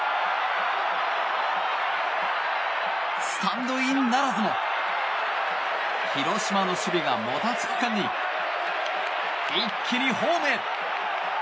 スタンドインならずも広島の守備がもたつく間に一気にホームへ。